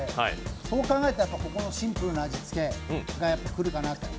そう考えると、ここのシンプルな味付けが来るかなと。